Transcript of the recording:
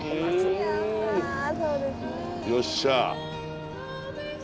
よっしゃ。